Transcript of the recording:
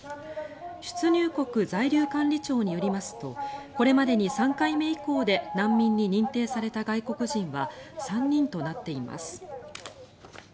出入国在留管理庁によりますとこれまでに３回目以降で難民に認定された外国人は３人となっています。